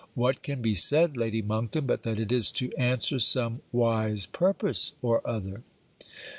What can be said Lady Monkton, but that it is to answer some wise purpose or other?